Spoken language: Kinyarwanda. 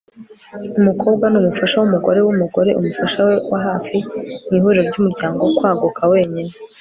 umukobwa ni umufasha w'umugore w'umugore, umufasha we wa hafi mu ihuriro ry'umuryango, kwaguka wenyine